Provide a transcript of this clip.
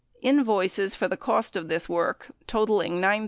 Invoices for the cost of this work totalling $9,291.